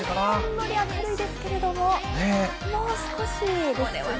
ほんのり明るいですけれども、もう少しですね。